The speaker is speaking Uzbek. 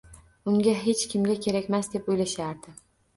Unga hech kimga kerakmas deb oʻylashardi.